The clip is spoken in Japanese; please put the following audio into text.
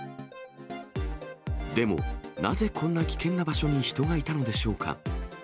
でも、なぜこんな危険な場所に人がいたのでしょうか。